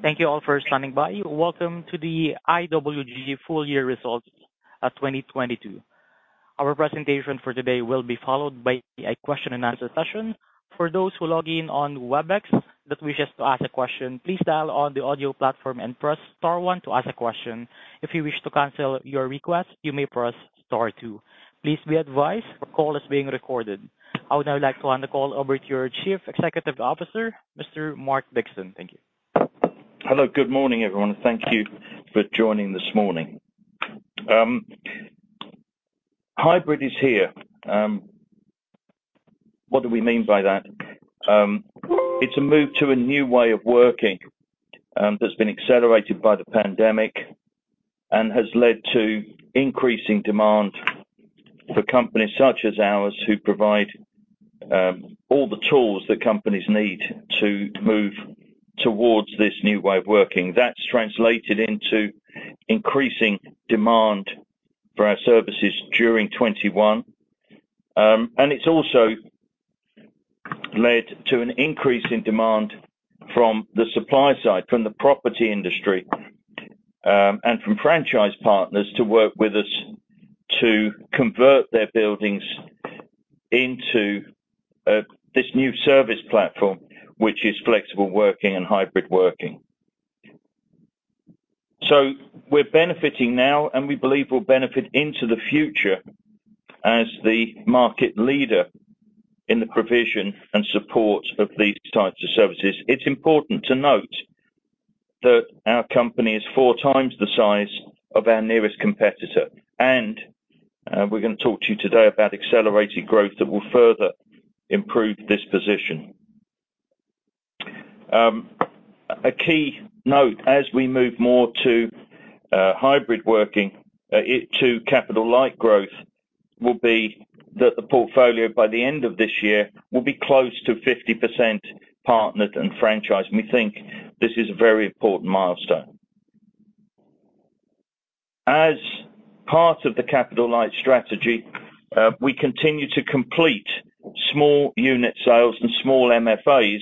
Thank you all for standing by. Welcome to the IWG Full Year Results, 2022. Our presentation for today will be followed by a question-and-answer session. For those who log in on Webex that wishes to ask a question, please dial on the audio platform and press star one to ask a question. If you wish to cancel your request, you may press star two. Please be advised, the call is being recorded. I would now like to hand the call over to our Chief Executive Officer, Mr. Mark Dixon. Thank you. Hello. Good morning, everyone. Thank you for joining this morning. Hybrid is here. What do we mean by that? It's a move to a new way of working, that's been accelerated by the pandemic and has led to increasing demand for companies such as ours, who provide all the tools that companies need to move towards this new way of working. That's translated into increasing demand for our services during 2021. It's also led to an increase in demand from the supply side, from the property industry, and from franchise partners to work with us to convert their buildings into this new service platform, which is flexible working and hybrid working. We're benefiting now and we believe we'll benefit into the future as the market leader in the provision and support of these types of services. It's important to note that our company is four times the size of our nearest competitor. We're gonna talk to you today about accelerated growth that will further improve this position. A key note as we move more to hybrid working to capital-light growth, will be that the portfolio by the end of this year will be close to 50% partnered and franchised, and we think this is a very important milestone. As part of the capital-light strategy, we continue to complete small unit sales and small MFAs.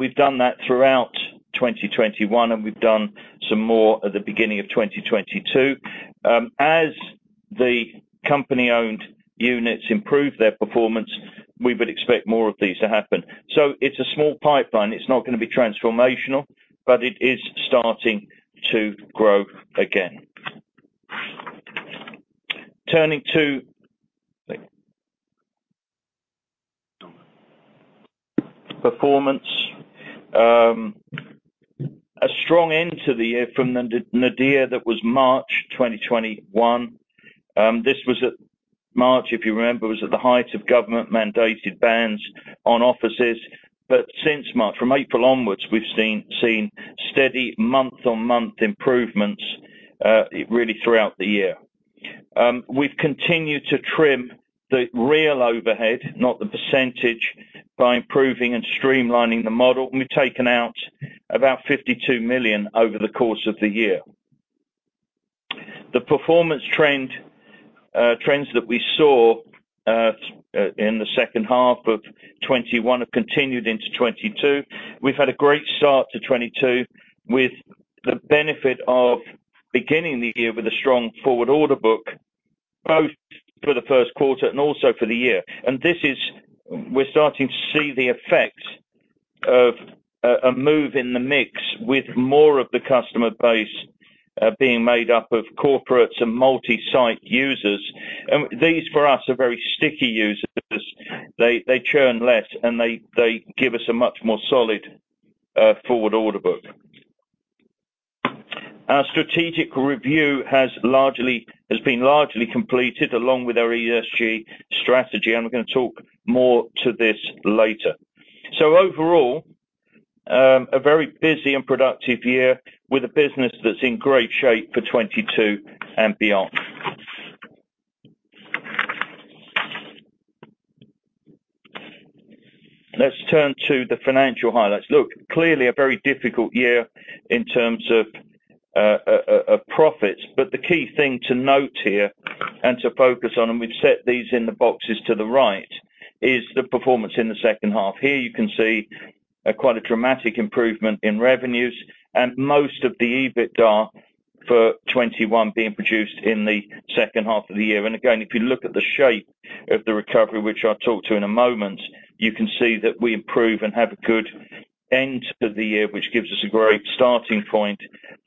We've done that throughout 2021, and we've done some more at the beginning of 2022. As the company-owned units improve their performance, we would expect more of these to happen. It's a small pipeline. It's not gonna be transformational, but it is starting to grow again. Turning to performance. A strong end to the year from the nadir that was March 2021. March, if you remember, was at the height of government-mandated bans on offices. Since March, from April onwards, we've seen steady month-on-month improvements, really throughout the year. We've continued to trim the real overhead, not the percentage, by improving and streamlining the model, and we've taken out about 52 million over the course of the year. The performance trends that we saw in the second half of 2021 have continued into 2022. We've had a great start to 2022 with the benefit of beginning the year with a strong forward order book, both for the first quarter and also for the year. This is, we're starting to see the effects of a move in the mix with more of the customer base being made up of corporates and multi-site users. These for us are very sticky users. They churn less, and they give us a much more solid forward order book. Our strategic review has been largely completed along with our ESG strategy, and we're gonna talk more to this later. Overall, a very busy and productive year with a business that's in great shape for 2022 and beyond. Let's turn to the financial highlights. Look, clearly a very difficult year in terms of profits, but the key thing to note here and to focus on, and we've set these in the boxes to the right, is the performance in the second half. Here you can see quite a dramatic improvement in revenues and most of the EBITDA for 2021 being produced in the second half of the year. Again, if you look at the shape of the recovery, which I'll talk to in a moment, you can see that we improve and have a good end to the year, which gives us a great starting point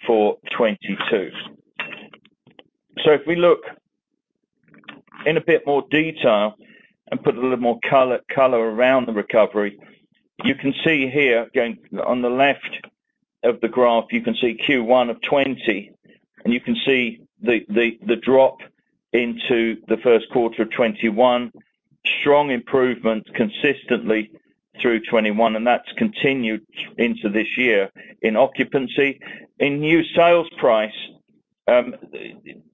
for 2022. If we look in a bit more detail and put a little more color around the recovery, you can see here again on the left of the graph, you can see Q1 of 2020, and you can see the drop into the first quarter of 2021. Strong improvement consistently through 2021, and that's continued into this year in occupancy. In new sales price,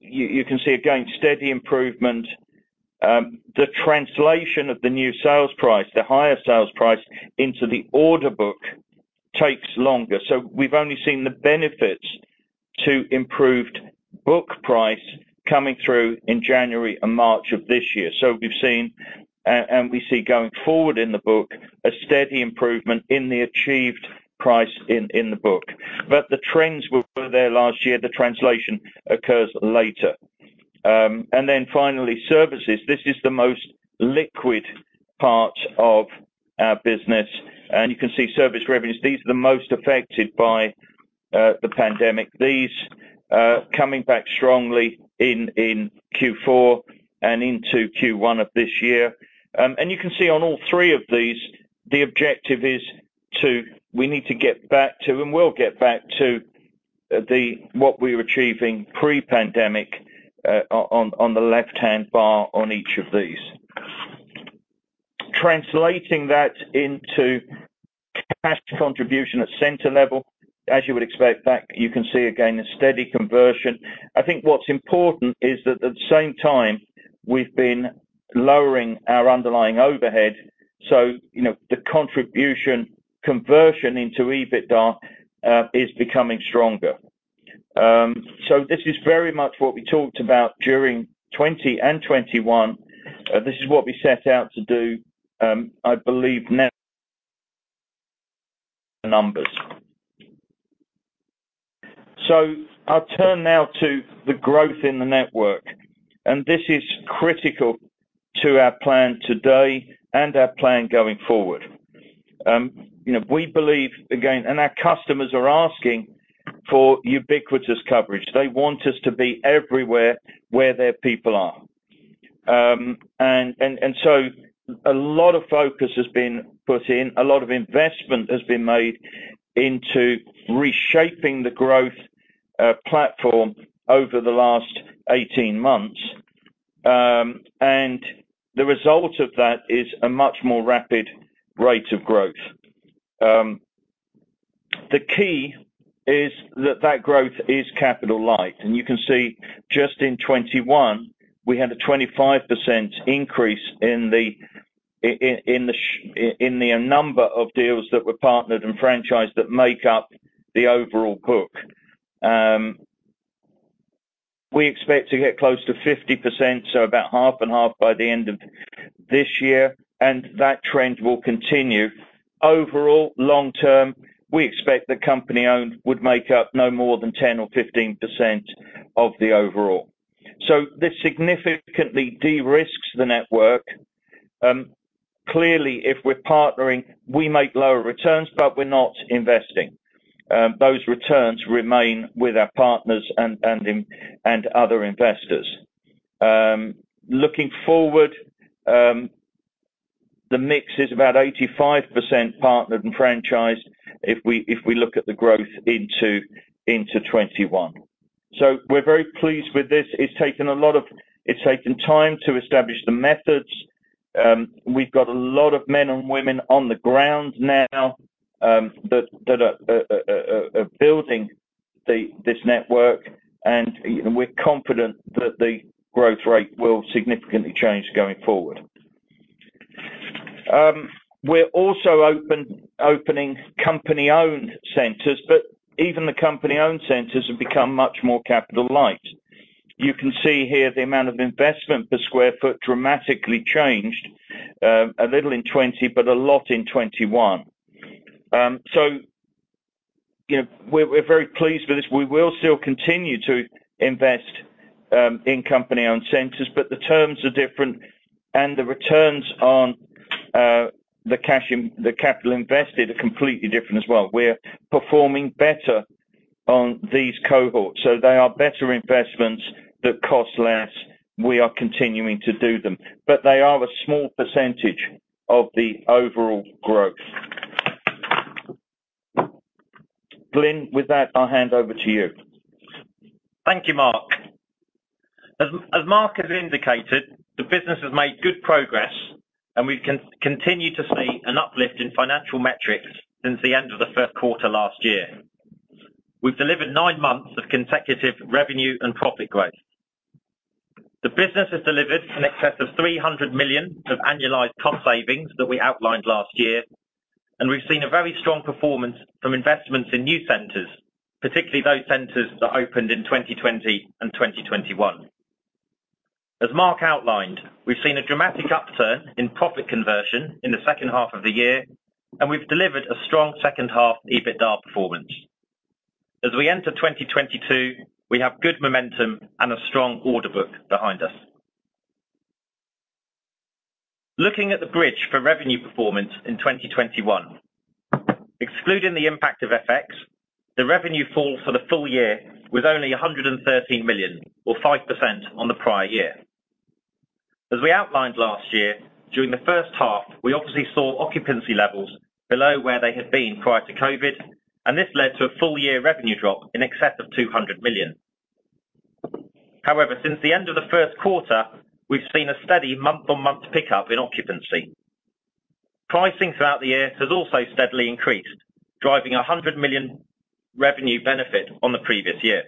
you can see again steady improvement. The translation of the new sales price, the higher sales price into the order book takes longer. We've only seen the benefits to improved book price coming through in January and March of this year. We've seen and we see going forward in the book, a steady improvement in the achieved price in the book. The trends were there last year, the translation occurs later. Finally, services. This is the most liquid part of our business. You can see service revenues, these are the most affected by the pandemic. These are coming back strongly in Q4 and into Q1 of this year. You can see on all three of these, the objective is to... We'll get back to what we were achieving pre-pandemic on the left-hand bar on each of these. Translating that into cash contribution at center level, as you would expect, you can see again a steady conversion. I think what's important is that at the same time, we've been lowering our underlying overhead, so you know, the contribution conversion into EBITDA is becoming stronger. This is very much what we talked about during 2020 and 2021. This is what we set out to do. I believe the numbers now. I'll turn now to the growth in the network, and this is critical to our plan today and our plan going forward. You know, we believe again and our customers are asking for ubiquitous coverage. They want us to be everywhere where their people are. A lot of focus has been put in, a lot of investment has been made into reshaping the growth platform over the last 18 months. The result of that is a much more rapid rate of growth. The key is that growth is capital-light. You can see just in 2021, we had a 25% increase in the number of deals that were partnered and franchised that make up the overall book. We expect to get close to 50%, so about half and half by the end of this year, and that trend will continue. Overall, long-term, we expect the company-owned would make up no more than 10% or 15% of the overall. This significantly de-risks the network. Clearly, if we're partnering, we make lower returns, but we're not investing. Those returns remain with our partners and other investors. Looking forward, the mix is about 85% partnered and franchised if we look at the growth into 2021. We're very pleased with this. It's taken a lot of. It's taken time to establish the methods. We've got a lot of men and women on the ground now that are building this network, and we're confident that the growth rate will significantly change going forward. We're also opening company-owned centers, but even the company-owned centers have become much more capital-light. You can see here the amount of investment per sq ft dramatically changed, a little in 2020, but a lot in 2021. You know, we're very pleased with this. We will still continue to invest in company-owned centers, but the terms are different and the returns aren't, the capital invested are completely different as well. We're performing better on these cohorts, so they are better investments that cost less. We are continuing to do them. They are a small percentage of the overall growth. Glyn, with that, I'll hand over to you. Thank you, Mark. As Mark has indicated, the business has made good progress and we continue to see an uplift in financial metrics since the end of the first quarter last year. We've delivered nine months of consecutive revenue and profit growth. The business has delivered in excess of 300 million of annualized cost savings that we outlined last year, and we've seen a very strong performance from investments in new centers, particularly those centers that opened in 2020 and 2021. As Mark outlined, we've seen a dramatic upturn in profit conversion in the second half of the year, and we've delivered a strong second half EBITDA performance. As we enter 2022, we have good momentum and a strong order book behind us. Looking at the bridge for revenue performance in 2021, excluding the impact of FX, the revenue fall for the full year was only 113 million or 5% on the prior year. As we outlined last year, during the first half, we obviously saw occupancy levels below where they had been prior to COVID, and this led to a full-year revenue drop in excess of 200 million. However, since the end of the first quarter, we've seen a steady month-on-month pickup in occupancy. Pricing throughout the year has also steadily increased, driving 100 million revenue benefit on the previous year.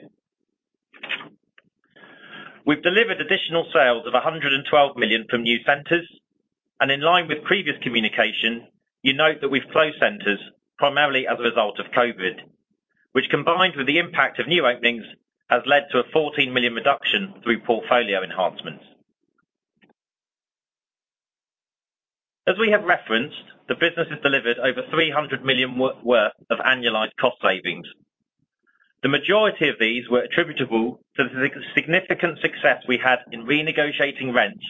We've delivered additional sales of 112 million from new centers, and in line with previous communication, you'll note that we've closed centers primarily as a result of COVID, which combined with the impact of new openings, has led to a 14 million reduction through portfolio enhancements. As we have referenced, the business has delivered over 300 million worth of annualized cost savings. The majority of these were attributable to the significant success we had in renegotiating rents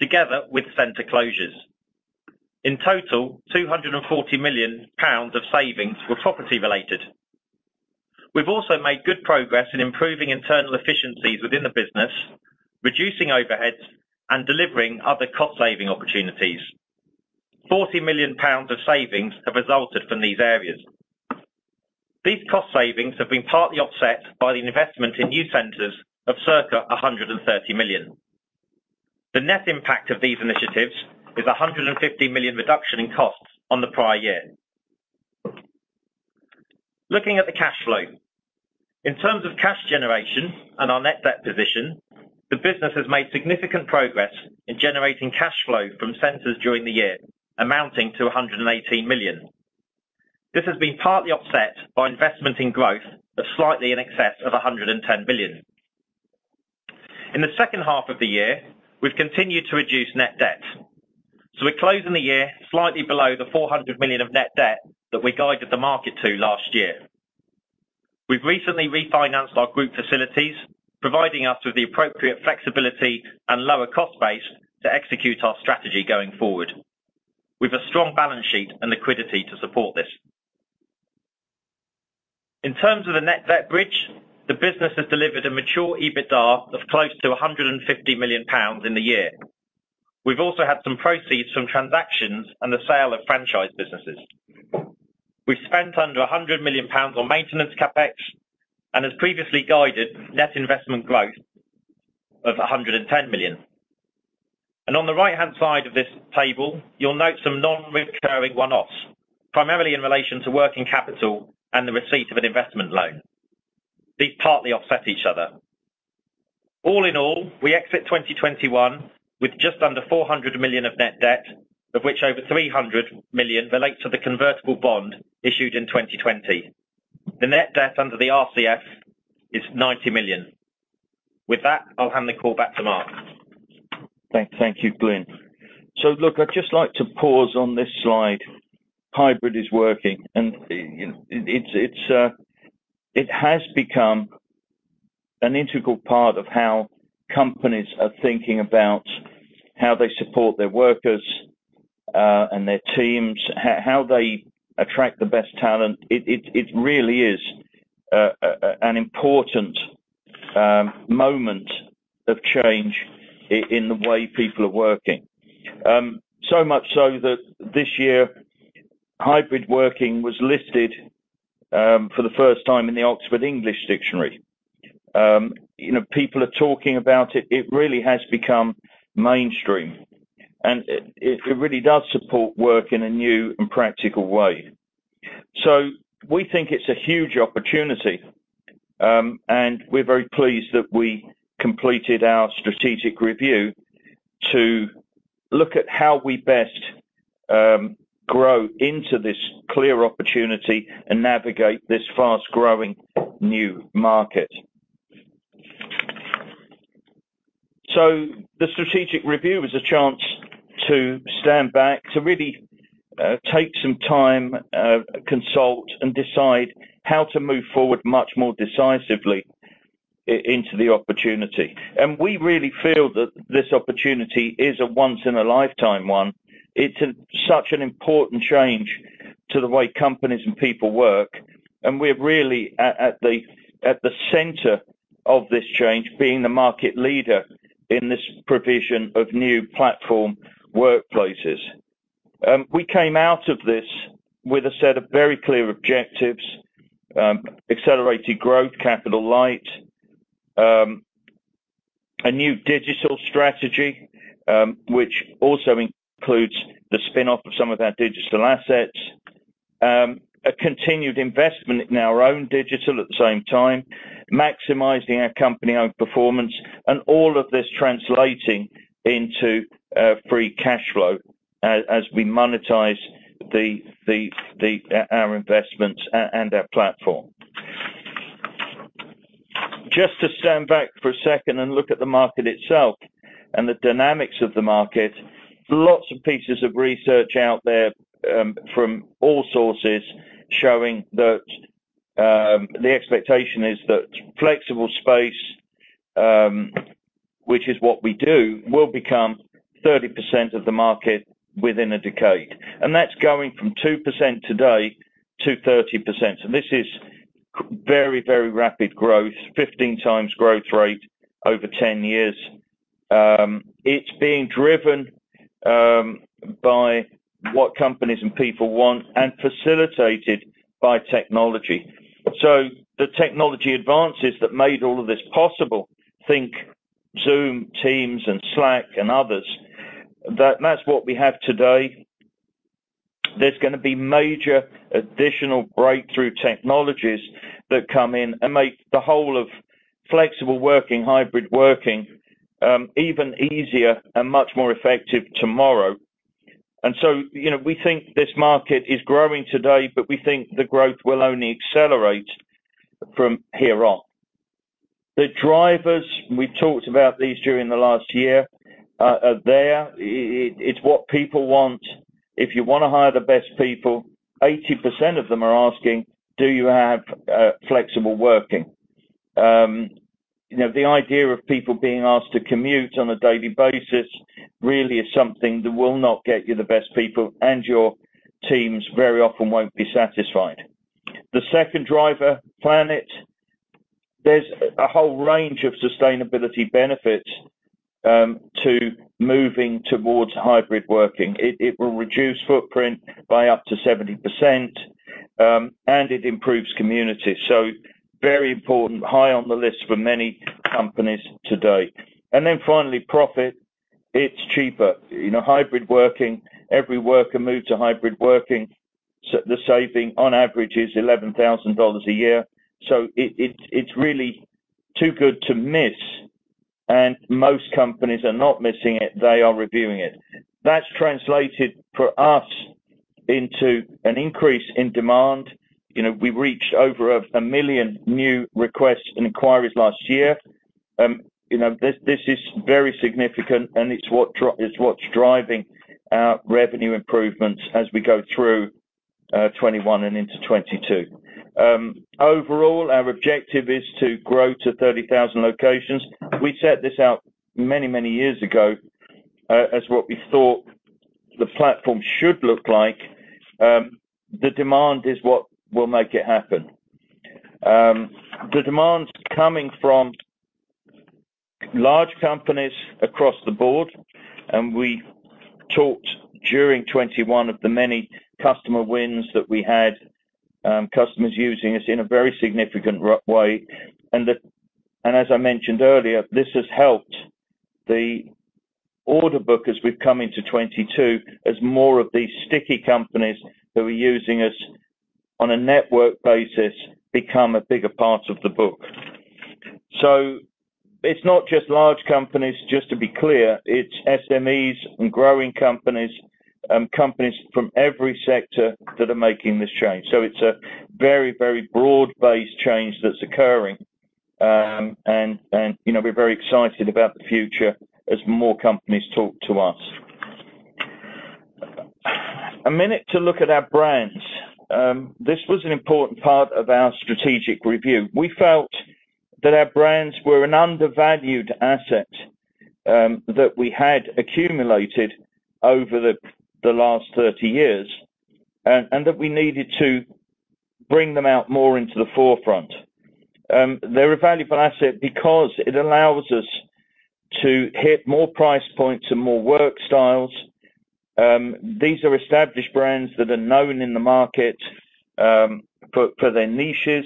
together with center closures. In total, 240 million pounds of savings were property-related. We've also made good progress in improving internal efficiencies within the business, reducing overheads, and delivering other cost-saving opportunities. 40 million pounds of savings have resulted from these areas. These cost savings have been partly offset by the investment in new centers of circa 130 million. The net impact of these initiatives is 150 million reduction in costs on the prior year. Looking at the cash flow in terms of cash generation and our net debt position, the business has made significant progress in generating cash flow from centers during the year, amounting to 118 million. This has been partly offset by investment in growth of slightly in excess of 110 million. In the second half of the year, we've continued to reduce net debt, so we're closing the year slightly below the 400 million of net debt that we guided the market to last year. We've recently refinanced our group facilities, providing us with the appropriate flexibility and lower cost base to execute our strategy going forward. We've a strong balance sheet and liquidity to support this. In terms of the net debt bridge, the business has delivered a mature EBITDA of close to 150 million pounds in the year. We've also had some proceeds from transactions and the sale of franchise businesses. We've spent under 100 million pounds on maintenance CapEx and as previously guided, net investment growth of 110 million. On the right-hand side of this table, you'll note some non-recurring one-offs, primarily in relation to working capital and the receipt of an investment loan. These partly offset each other. All in all, we exit 2021 with just under 400 million of net debt, of which over 300 million relates to the convertible bond issued in 2020. The net debt under the RCF is 90 million. With that, I'll hand the call back to Mark Dixon. Thank you, Glyn. Look, I'd just like to pause on this slide. Hybrid working, and it has become an integral part of how companies are thinking about how they support their workers, and their teams, how they attract the best talent. It really is an important moment of change in the way people are working. So much so that this year, hybrid working was listed for the first time in the Oxford English Dictionary. You know, people are talking about it. It really has become mainstream, and it really does support work in a new and practical way. We think it's a huge opportunity, and we're very pleased that we completed our strategic review to look at how we best grow into this clear opportunity and navigate this fast-growing new market. The strategic review was a chance to stand back, to really take some time, consult, and decide how to move forward much more decisively into the opportunity. We really feel that this opportunity is a once in a lifetime one. It's such an important change to the way companies and people work, and we're really at the center of this change, being the market leader in this provision of new platform workplaces. We came out of this with a set of very clear objectives, accelerated growth, capital-light, a new digital strategy, which also includes the spin-off of some of our digital assets, a continued investment in our own digital at the same time, maximizing our company own performance, and all of this translating into free cash flow as we monetize the our investments and our platform. Just to stand back for a second and look at the market itself and the dynamics of the market, lots of pieces of research out there, from all sources showing that, the expectation is that flexible space, which is what we do, will become 30% of the market within a decade. That's going from 2% today to 30%. This is very, very rapid growth, 15 times growth rate over 10 years. It's being driven by what companies and people want and facilitated by technology. The technology advances that made all of this possible, think Zoom, Teams, and Slack and others, that's what we have today. There's gonna be major additional breakthrough technologies that come in and make the whole of flexible working, hybrid working, even easier and much more effective tomorrow. You know, we think this market is growing today, but we think the growth will only accelerate from here on. The drivers, we talked about these during the last year, are there. It's what people want. If you wanna hire the best people, 80% of them are asking, "Do you have flexible working?" You know, the idea of people being asked to commute on a daily basis really is something that will not get you the best people, and your teams very often won't be satisfied. The second driver, planet. There's a whole range of sustainability benefits to moving towards hybrid working. It will reduce footprint by up to 70%, and it improves community. Very important, high on the list for many companies today. Finally, profit. It's cheaper. You know, hybrid working, every worker moved to hybrid working, the saving on average is $11,000 a year. It's really too good to miss, and most companies are not missing it. They are reviewing it. That's translated for us into an increase in demand. You know, we reached over one million new requests and inquiries last year. You know, this is very significant, and it's what's driving our revenue improvements as we go through 2021 and into 2022. Overall, our objective is to grow to 30,000 locations. We set this out many years ago as what we thought the platform should look like. The demand is what will make it happen. The demand's coming from large companies across the board, and we talked during 2021 of the many customer wins that we had, customers using us in a very significant way. The As I mentioned earlier, this has helped the order book as we've come into 2022 as more of these sticky companies that were using us on a network basis become a bigger part of the book. It's not just large companies, just to be clear. It's SMEs and growing companies from every sector that are making this change. It's a very, very broad-based change that's occurring. You know, we're very excited about the future as more companies talk to us. A minute to look at our brands. This was an important part of our strategic review. We felt that our brands were an undervalued asset, that we had accumulated over the last 30 years and that we needed to bring them out more into the forefront. They're a valuable asset because it allows us to hit more price points and more work styles. These are established brands that are known in the market for their niches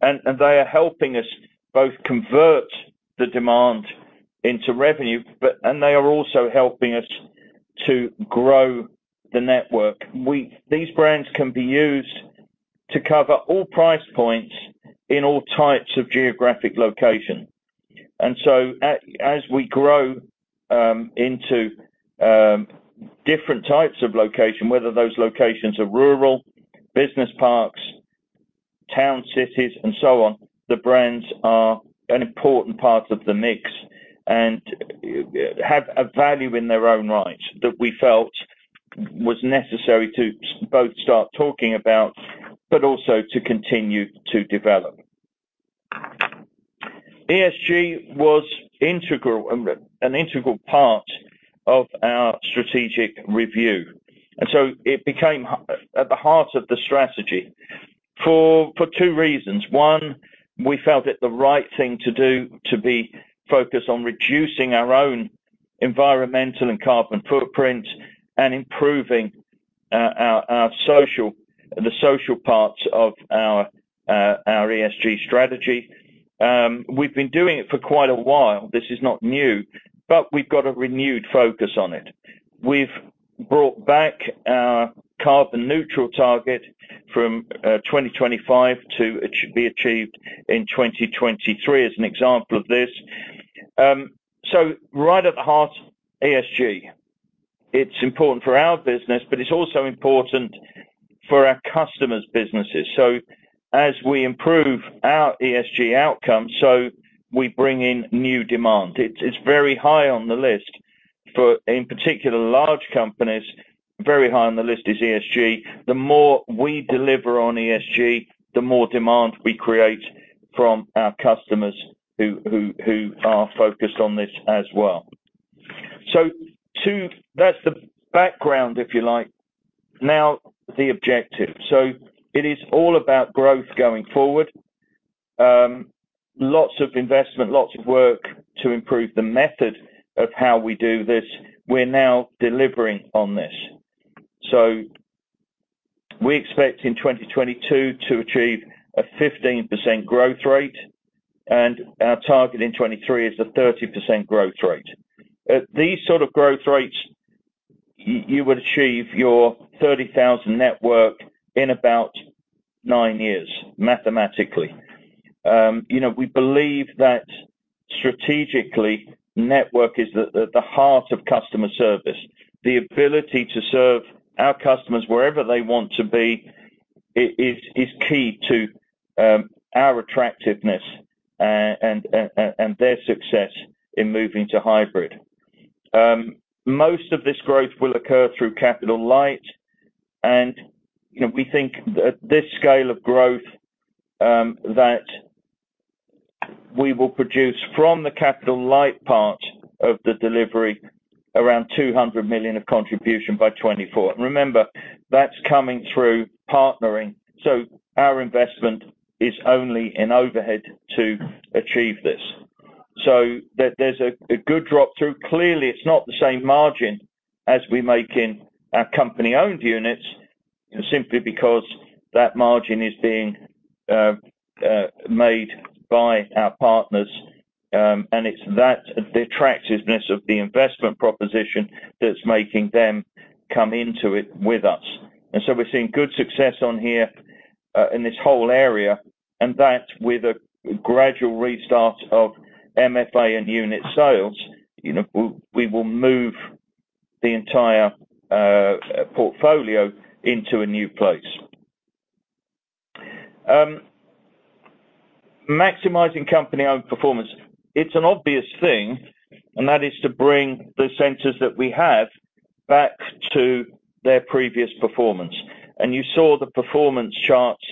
and they are helping us both convert the demand into revenue, and they are also helping us to grow the network. These brands can be used to cover all price points in all types of geographic location. As we grow into different types of location, whether those locations are rural, business parks, towns, cities and so on, the brands are an important part of the mix and have a value in their own right that we felt was necessary to both start talking about but also to continue to develop. ESG was integral, an integral part of our strategic review. It became at the heart of the strategy for two reasons. One, we felt it the right thing to do to be focused on reducing our own environmental and carbon footprint and improving our social parts of our ESG strategy. We've been doing it for quite a while. This is not new. We've got a renewed focus on it. We've brought back our carbon neutral target from 2025 to it should be achieved in 2023 as an example of this. Right at the heart, ESG. It's important for our business, but it's also important for our customers' businesses. As we improve our ESG outcome, we bring in new demand. It's very high on the list for, in particular, large companies, very high on the list is ESG. The more we deliver on ESG, the more demand we create from our customers who are focused on this as well. That's the background, if you like. Now the objective. It is all about growth going forward. Lots of investment, lots of work to improve the method of how we do this. We're now delivering on this. We expect in 2022 to achieve a 15% growth rate. Our target in 2023 is a 30% growth rate. At these sort of growth rates, you would achieve your 30,000 network in about nine years, mathematically. You know, we believe that strategically, network is the heart of customer service. The ability to serve our customers wherever they want to be is key to our attractiveness and their success in moving to hybrid. Most of this growth will occur through capital-light, and, you know, we think that this scale of growth that we will produce from the capital-light part of the delivery, around 200 million of contribution by 2024. Remember, that's coming through partnering, so our investment is only in overhead to achieve this. There, there's a good drop through. Clearly it's not the same margin as we make in our company-owned units, simply because that margin is being made by our partners, and it's that, the attractiveness of the investment proposition that's making them come into it with us. We're seeing good success on here, in this whole area, and that with a gradual restart of MFA and unit sales, you know, we will move the entire portfolio into a new place, maximizing company-owned performance. It's an obvious thing, and that is to bring the centers that we have back to their previous performance. You saw the performance charts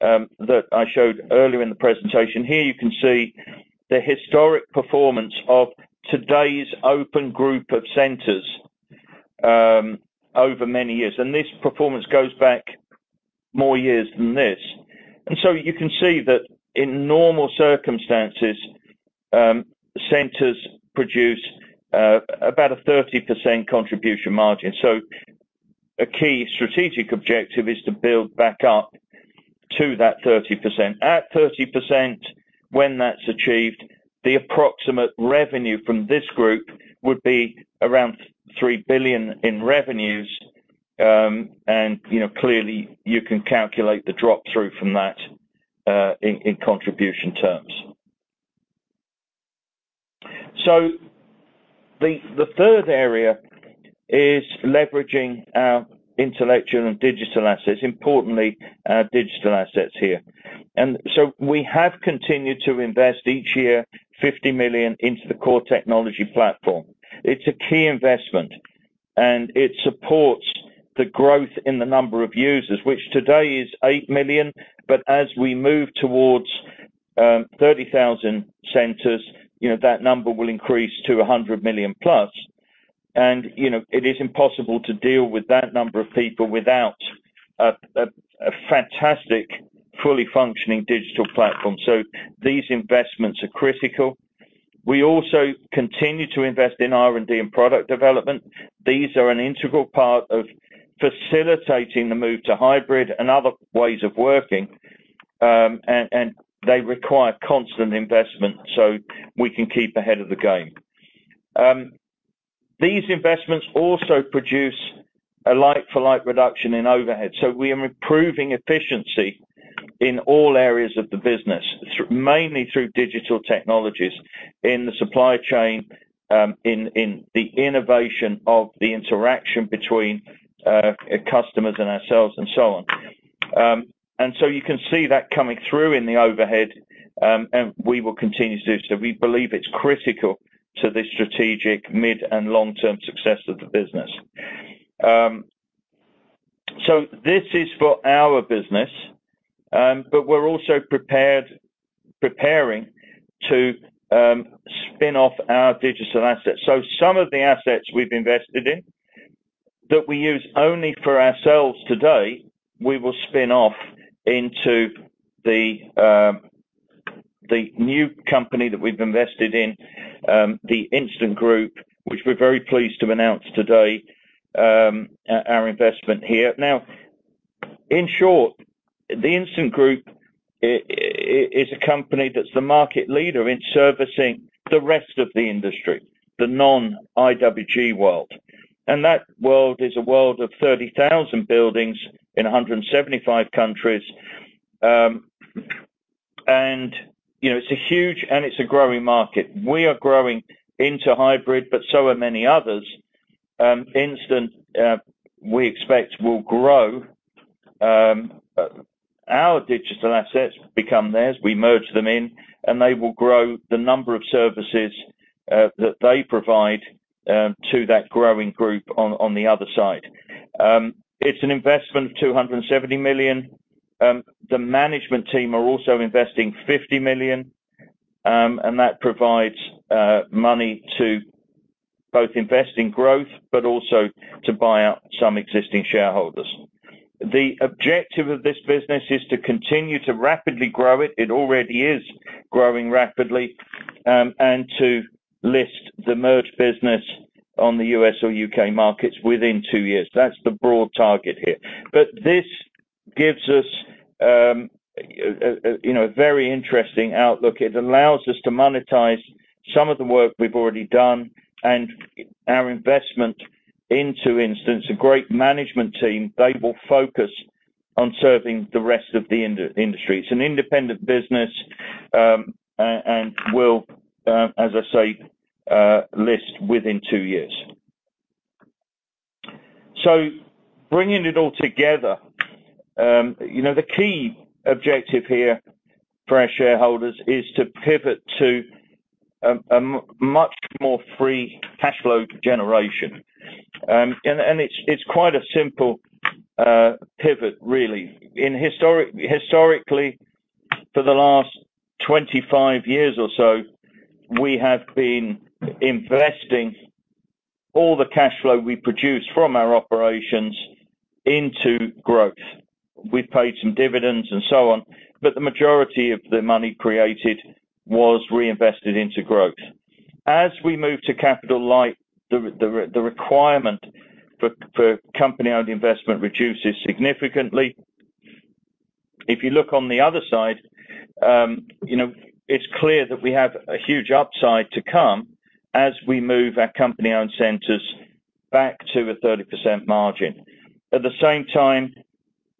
that I showed earlier in the presentation. Here you can see the historic performance of today's open group of centers over many years. This performance goes back more years than this. You can see that in normal circumstances centers produce about a 30% contribution margin. A key strategic objective is to build back up to that 30%. At 30%, when that's achieved, the approximate revenue from this group would be around 3 billion in revenues, and, you know, clearly you can calculate the drop-through from that in contribution terms. The third area is leveraging our intellectual and digital assets, importantly our digital assets here. We have continued to invest each year 50 million into the core technology platform. It's a key investment, and it supports the growth in the number of users, which today is eight million. As we move towards 30,000 centers, you know, that number will increase to 100 million plus. You know, it is impossible to deal with that number of people without a fantastic, fully functioning digital platform. These investments are critical. We also continue to invest in R&D and product development. These are an integral part of facilitating the move to hybrid working and other ways of working, and they require constant investment, so we can keep ahead of the game. These investments also produce a like for like reduction in overhead. We are improving efficiency in all areas of the business, mainly through digital technologies in the supply chain, in the innovation of the interaction between customers and ourselves and so on. You can see that coming through in the overhead, and we will continue to do so. We believe it's critical to the strategic mid and long-term success of the business. This is for our business, but we're also preparing to spin off our digital assets. Some of the assets we've invested in that we use only for ourselves today, we will spin off into the new company that we've invested in, The Instant Group, which we're very pleased to announce today, our investment here. Now, in short, the Instant Group is a company that's the market leader in servicing the rest of the industry, the non-IWG world. That world is a world of 30,000 buildings in 175 countries, and, you know, it's a huge and it's a growing market. We are growing into Hybrid, but so are many others. Instant, we expect, will grow. Our digital assets become theirs. We merge them in, and they will grow the number of services that they provide to that growing group on the other side. It's an investment of 270 million. The management team are also investing 50 million, and that provides money to both invest in growth, but also to buy out some existing shareholders. The objective of this business is to continue to rapidly grow it already is growing rapidly, and to list the merged business on the U.S. or U.K. markets within two years. That's the broad target here. This gives us, you know, a very interesting outlook. It allows us to monetize some of the work we've already done and our investment into Instant, a great management team. They will focus on serving the rest of the industry. It's an independent business, and will, as I say, list within two years. Bringing it all together, you know, the key objective here for our shareholders is to pivot to a much more free cash flow generation. And it's quite a simple pivot really. Historically, for the last 25 years or so, we have been investing all the cash flow we produce from our operations into growth. We've paid some dividends and so on, but the majority of the money created was reinvested into growth. As we move to capital-light, the requirement for company-owned investment reduces significantly. If you look on the other side, it's clear that we have a huge upside to come as we move our company-owned centers back to a 30% margin. At the same time,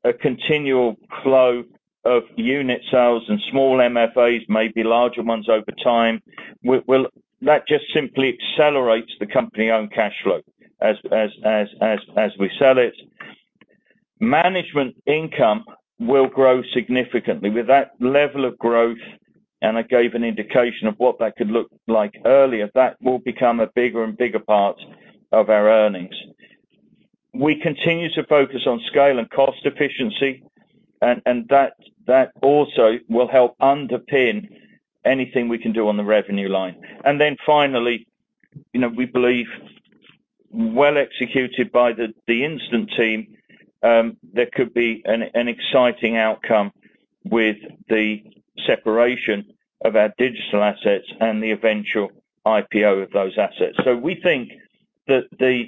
a continual flow of unit sales and small MFAs, maybe larger ones over time, well, that just simply accelerates the company-owned cash flow as we sell it. Management income will grow significantly. With that level of growth, and I gave an indication of what that could look like earlier, that will become a bigger and bigger part of our earnings. We continue to focus on scale and cost efficiency, and that also will help underpin anything we can do on the revenue line. Then finally, you know, we believe well executed by the Instant team, there could be an exciting outcome with the separation of our digital assets and the eventual IPO of those assets. We think that the,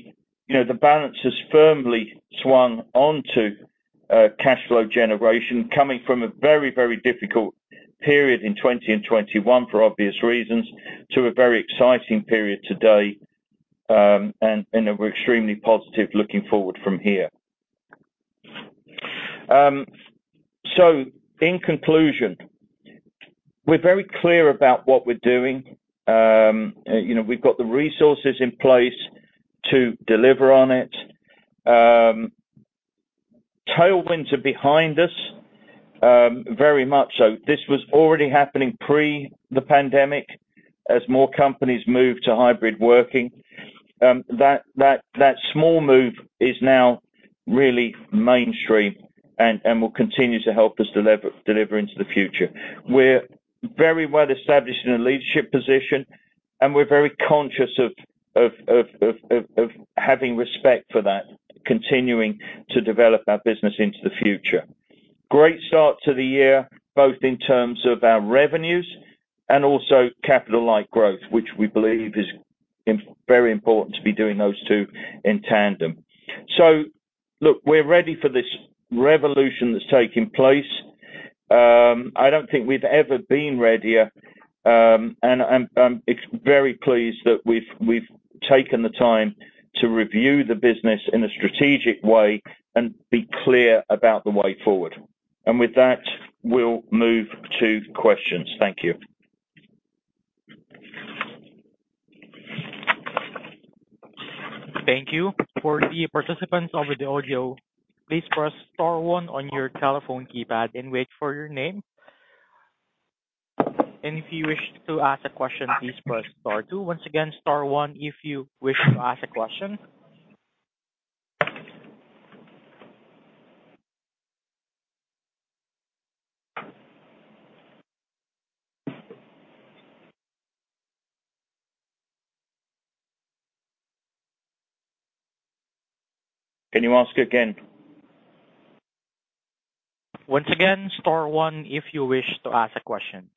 you know, the balance has firmly swung onto cash flow generation coming from a very, very difficult period in 2020 and 2021 for obvious reasons, to a very exciting period today, and we're extremely positive looking forward from here. In conclusion, we're very clear about what we're doing. You know, we've got the resources in place to deliver on it. Tailwinds are behind us, very much so. This was already happening pre the pandemic as more companies move to hybrid working. That small move is now really mainstream and will continue to help us deliver into the future. We're very well established in a leadership position, and we're very conscious of having respect for that, continuing to develop our business into the future. Great start to the year, both in terms of our revenues and also capital-light growth, which we believe is very important to be doing those two in tandem. Look, we're ready for this revolution that's taking place. I don't think we've ever been readier. I'm very pleased that we've taken the time to review the business in a strategic way and be clear about the way forward. With that, we'll move to questions. Thank you. Thank you. For the participants over the audio, please press star one on your telephone keypad and wait for your name. And if you wish to ask a question, please press star two. Once again, star one if you wish to ask a question. Can you ask again? Once again, star one if you wish to ask a question.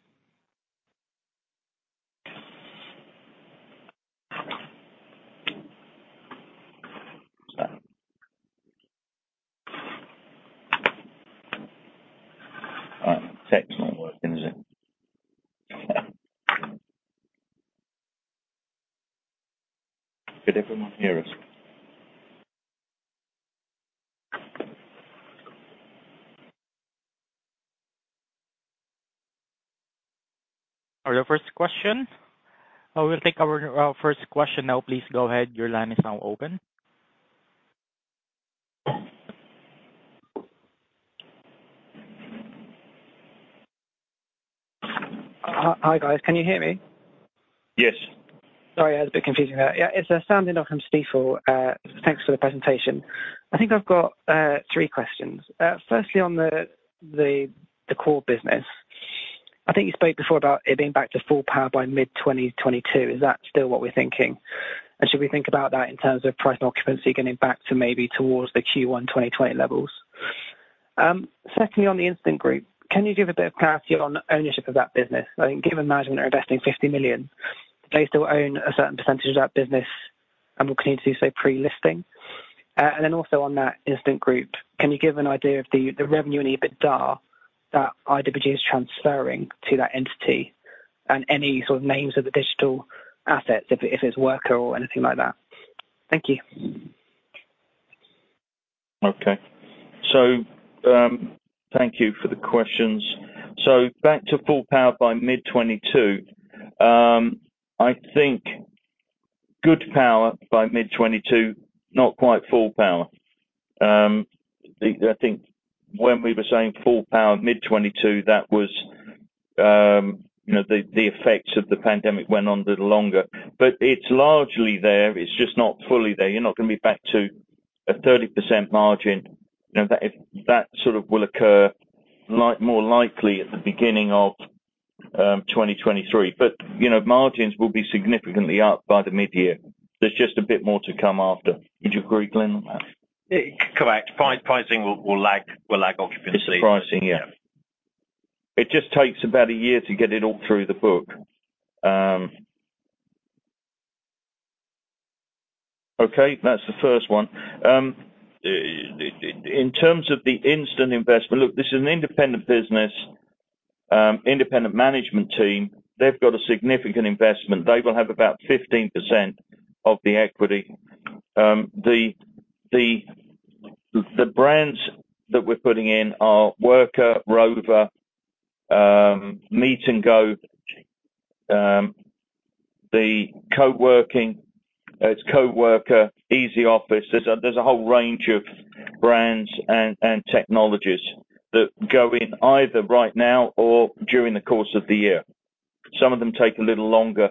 Tech's not working, is it? Can everyone hear us? Our first question. We'll take our first question now. Please go ahead. Your line is now open. Hi, guys. Can you hear me? Yes. Sorry, that was a bit confusing there. Yeah, it's Sam Dindol from Stifel. Thanks for the presentation. I think I've got three questions. Firstly, on the core business, I think you spoke before about it being back to full power by mid 2022. Is that still what we're thinking? Should we think about that in terms of price and occupancy getting back to maybe towards the Q1 2020 levels? Secondly, on The Instant Group, can you give a bit of clarity on ownership of that business? I think given management are investing 50 million, they still own a certain percentage of that business. We'll clearly say pre-listing. On The Instant Group, can you give an idea of the revenue and EBITDA that IWG is transferring to that entity and any sort of names of the digital assets, if it's Worka or anything like that? Thank you. Okay. Thank you for the questions. Back to full power by mid-2022. I think good power by mid-2022, not quite full power. I think when we were saying full power mid-2022, that was, you know, the effects of the pandemic went on little longer. It's largely there, it's just not fully there. You're not gonna be back to a 30% margin. You know, that if that sort of will occur like more likely at the beginning of 2023. You know, margins will be significantly up by the midyear. There's just a bit more to come after. Would you agree, Glyn, on that? Yeah. Correct. Pricing will lag occupancy. It's pricing, yeah. Yeah. It just takes about a year to get it all through the book. Okay, that's the first one. In terms of the Instant investment, look, this is an independent business, independent management team. They've got a significant investment. They will have about 15% of the equity. The brands that we're putting in are Worka, Rovva, Meetingo, the coworking, it's Coworker, Easy Offices. There's a whole range of brands and technologies that go in either right now or during the course of the year. Some of them take a little longer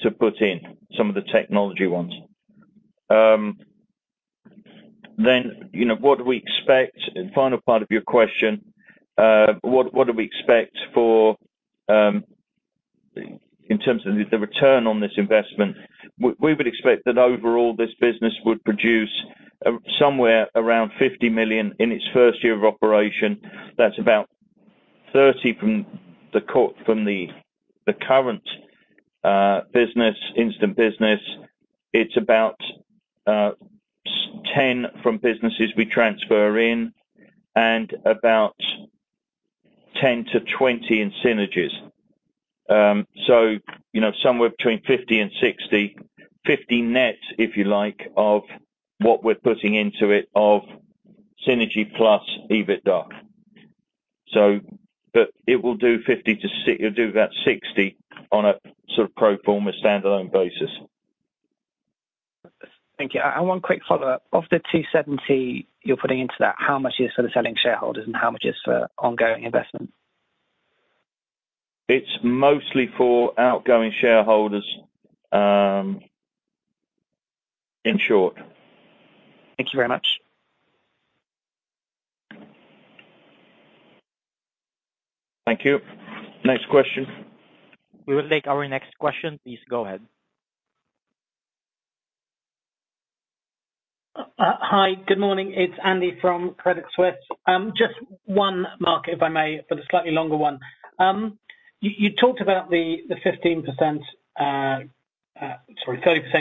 to put in, some of the technology ones. You know, what do we expect, and final part of your question, what do we expect for, in terms of the return on this investment? We would expect that overall this business would produce somewhere around 50 million in its first year of operation. That's about 30 million from the current business, Instant business. It's about 10 million from businesses we transfer in and about 10 million-20 million in synergies. You know, somewhere between 50 million and 60 million. 50 million net, if you like, of what we're putting into it of synergy plus EBITDA. It will do about 60 million on a sort of pro forma standalone basis. Thank you. One quick follow-up. Of the 270 you're putting into that, how much from selling shareholders and how much is for ongoing investment? It's mostly for outgoing shareholders, in short. Thank you very much. Thank you. Next question. We will take our next question. Please go ahead. Hi, good morning. It's Andy from Credit Suisse. Just one, Mark, if I may, but a slightly longer one. You talked about the 30%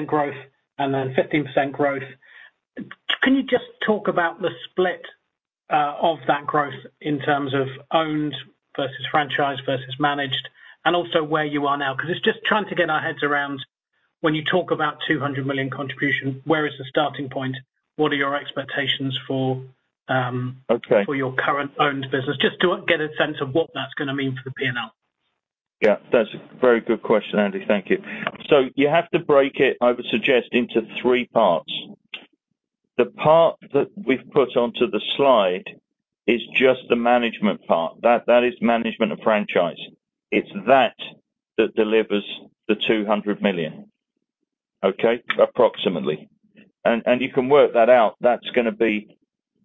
growth and then 15% growth. Can you just talk about the split of that growth in terms of owned versus franchise versus managed, and also where you are now? 'Cause it's just trying to get our heads around when you talk about 200 million contribution, where is the starting point? What are your expectations for- Okay. for your current owned business? Just to get a sense of what that's gonna mean for the P&L. Yeah, that's a very good question, Andy. Thank you. You have to break it, I would suggest, into three parts. The part that we've put onto the slide is just the management part. That is management of franchise. It's that delivers the 200 million, okay? Approximately. You can work that out. That's gonna be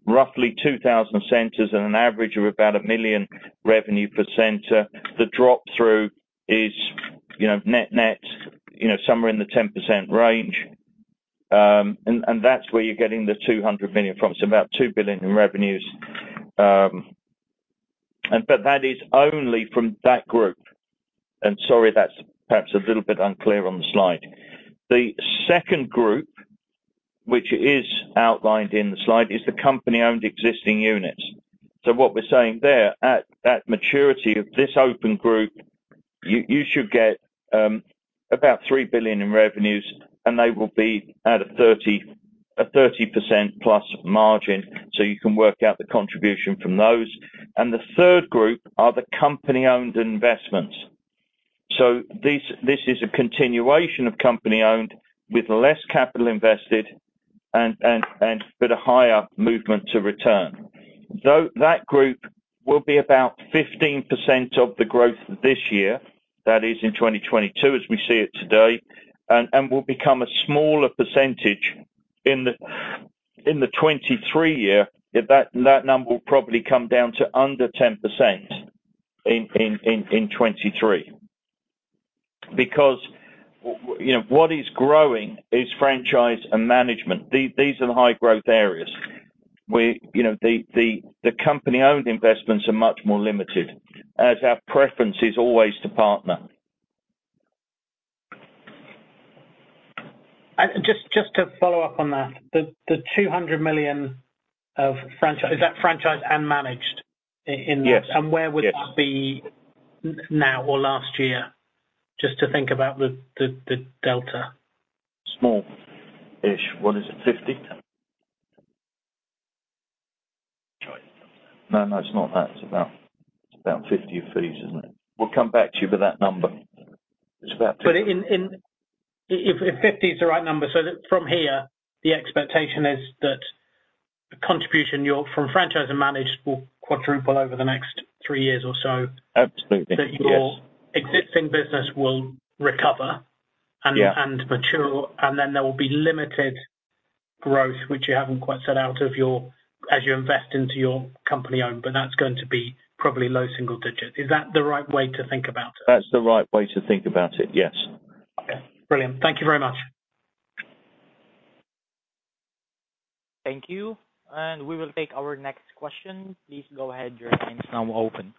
roughly 2,000 centers at an average of about 1 million revenue per center. The drop through is, you know, net-net, you know, somewhere in the 10% range. That's where you're getting the 200 million from. It's about 2 billion in revenues. But that is only from that group. Sorry, that's perhaps a little bit unclear on the slide. The second group, which is outlined in the slide, is the company-owned existing units. What we're saying there, at that maturity of this open group, you should get about 3 billion in revenues, and they will be at a 30%+ margin, so you can work out the contribution from those. The third group are the company-owned investments. This is a continuation of company-owned with less capital invested but a higher movement to return. Though that group will be about 15% of the growth this year, that is in 2022 as we see it today, and will become a smaller percentage in the 2023 year. That number will probably come down to under 10% in 2023. Because you know, what is growing is franchise and management. These are the high growth areas. You know, the company-owned investments are much more limited as our preference is always to partner. Just to follow up on that, the 200 million of franchise. Is that franchise and managed in that? Yes. Where would that be now or last year? Just to think about the delta. Small-ish. What is it? 50? No, no, it's not that. It's about 50 fees, isn't it? We'll come back to you with that number. It's about 50. If 50 is the right number, so that from here, the expectation is that the contribution from franchise and managed will quadruple over the next three years or so. Absolutely, yes. That your existing business will recover and. Yeah. Mature, and then there will be limited growth, which you haven't quite set out in your, as you invest into your company-owned, but that's going to be probably low-single-digits. Is that the right way to think about it? That's the right way to think about it, yes. Okay. Brilliant. Thank you very much. Thank you. We will take our next question. Please go ahead. Your line is now open.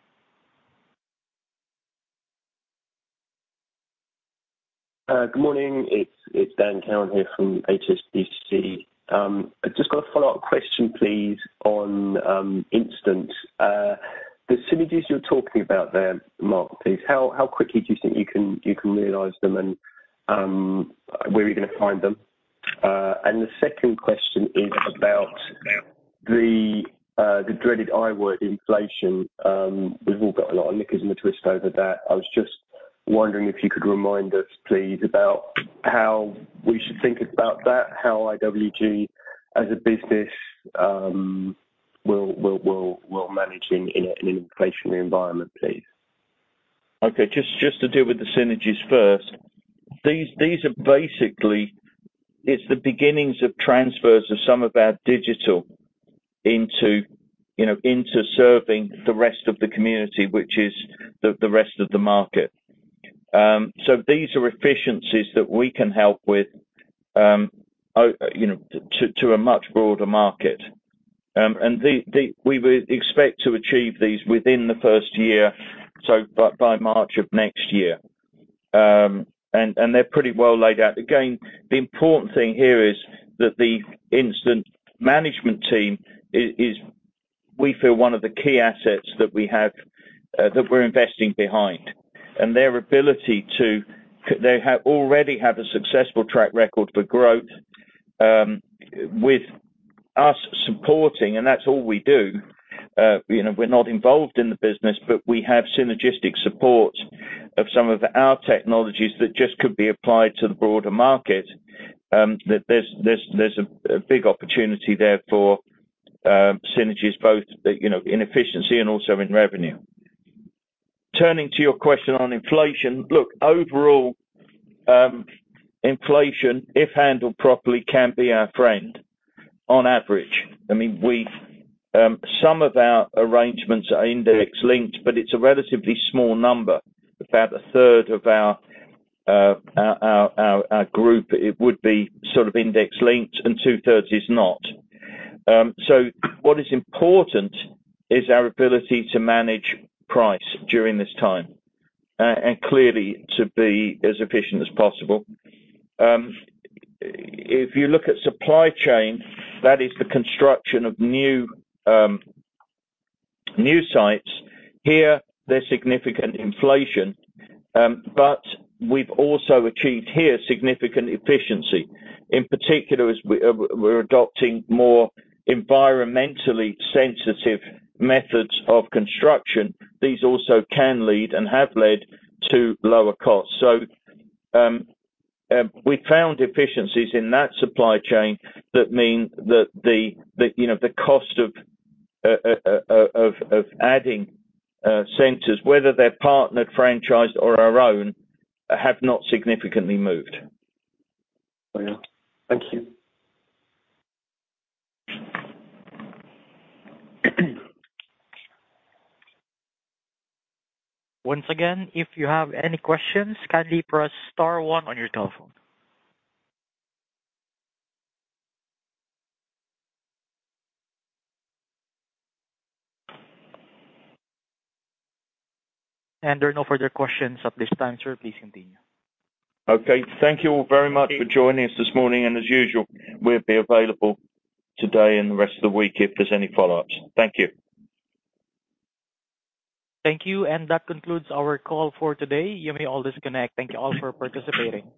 Good morning. It's Dan Cowan here from HSBC. I've just got a follow-up question, please, on Instant. The synergies you're talking about there, Mark, please, how quickly do you think you can realize them and where are you gonna find them? And the second question is about the dreaded I-word inflation. We've all got a lot of knickers in a twist over that. I was just wondering if you could remind us, please, about how we should think about that, how IWG as a business will manage in an inflationary environment, please. Okay, just to deal with the synergies first. These are basically the beginnings of transfers of some of our digital into, you know, into serving the rest of the community, which is the rest of the market. These are efficiencies that we can help with, you know, to a much broader market. They're pretty well laid out. Again, the important thing here is that the Instant management team is, we feel, one of the key assets that we have, that we're investing behind. They already have a successful track record for growth, with us supporting, and that's all we do. You know, we're not involved in the business, but we have synergistic support of some of our technologies that just could be applied to the broader market. There's a big opportunity there for synergies both, you know, in efficiency and also in revenue. Turning to your question on inflation. Look, overall, inflation, if handled properly, can be our friend on average. I mean, we, some of our arrangements are index-linked, but it's a relatively small number. About a third of our group would be sort of index-linked and two-thirds is not. So what is important is our ability to manage price during this time, and clearly to be as efficient as possible. If you look at supply chain, that is the construction of new sites. Here, there's significant inflation, but we've also achieved here significant efficiency. In particular, we're adopting more environmentally sensitive methods of construction, these also can lead and have led to lower costs. We found efficiencies in that supply chain that mean that the you know the cost of adding centers, whether they're partnered, franchised or our own, have not significantly moved. Thank you. Once again, if you have any questions, kindly press star one on your telephone. And there are no further questions at this time, sir. Please continue. Okay. Thank you all very much for joining us this morning. As usual, we'll be available today and the rest of the week if there's any follow-ups. Thank you. Thank you. That concludes our call for today. You may all disconnect. Thank you all for participating.